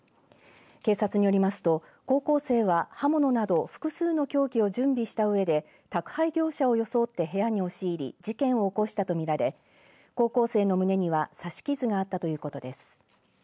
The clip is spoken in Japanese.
警察によりますと高校生は刃物など複数の凶器を準備したうえで宅配業者を装って部屋に押し入り事件を起こしたとみられ高校生の胸には刺し傷があったということです。